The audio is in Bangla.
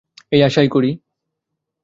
এই আশাই করি।